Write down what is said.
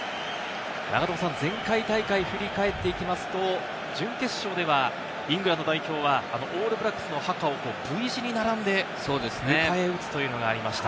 前回大会を振り返っていきますと、準決勝ではイングランド代表はオールブラックスのハカをＶ字に並んで迎え撃つというのがありました。